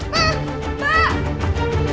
burung tau kenapa bu